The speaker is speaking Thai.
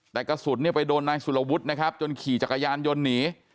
แต่กระสุนเนี่ยไปโดนนายสุรวุฒินะครับจนขี่จักรยานยนต์หนี